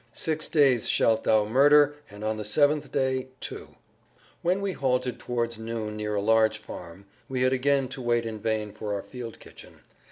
"Six days shalt thou murder and on the seventh day, too." When we halted towards noon near a large farm we had again to wait in vain for our field kitchen.